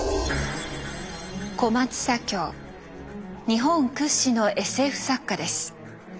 日本屈指のＳＦ作家です。